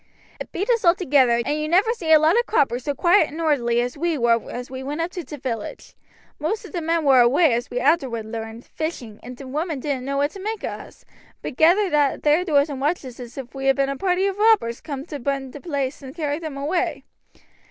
"It beat us altogether, and you never see a lot of croppers so quiet and orderly as we war as we went up to t' village. Most o' t' men war away, as we arterward learned, fishing, and t' women didn't know what to make o' us, but gathered at their doors and watched us as if we had been a party o' robbers coom down to burn the place and carry 'em away.